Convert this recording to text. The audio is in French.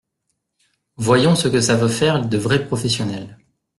Voyons ce que savent faire de vrais professionnels.